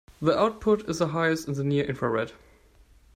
The output is highest in the near infrared.